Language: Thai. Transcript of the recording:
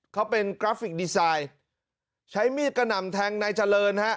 เขาเป็นกราฟิกดีไซน์ใช้มีดกระหน่ำแทงนายเจริญฮะ